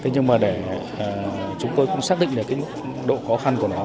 nhưng mà để chúng tôi cũng xác định được cái độ khó khăn của nó